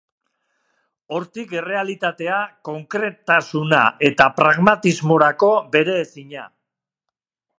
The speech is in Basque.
Hortik errealitatea, konkretasuna eta pragmatismorako bere ezina.